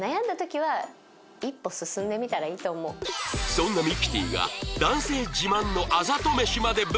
そんなミキティが男性自慢のあざと飯までぶった斬る！？